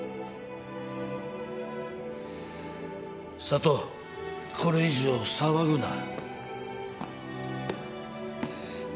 佐都これ以上騒ぐな。